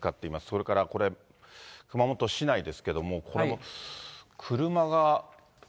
それからこれ、熊本市内ですけれども、これも車が。